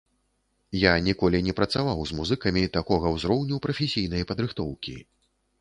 Я ніколі не працаваў з музыкамі такога ўзроўню прафесійнай падрыхтоўкі.